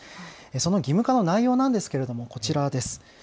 その義務化の内容なんですけれどもこちらです。